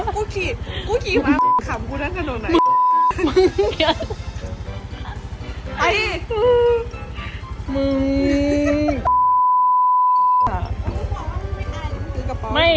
กูขี่มามึงขำกูดั้งกระโดดไหน